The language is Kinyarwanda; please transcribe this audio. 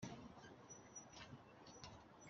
Arambiriye ku Murenzi,